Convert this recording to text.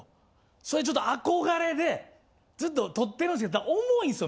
それちょっと憧れでずっと取ってるんすけど重いんすよ